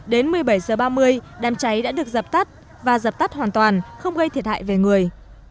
đến một mươi bảy h ba mươi đám cháy đã được dập tắt và dập tắt hoàn toàn không gây thiệt hại về người